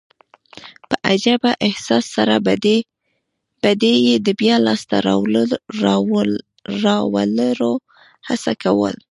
په عجبه احساس سره به دي يي د بیا لاسته راوړلو هڅه کول.